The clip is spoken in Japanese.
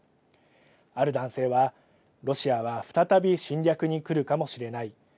ある男性は、ロシアは再び侵略に来るかもしれない。